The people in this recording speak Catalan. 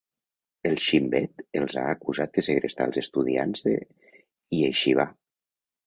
El Shin Bet els ha acusat de segrestar els estudiants de Iexivà.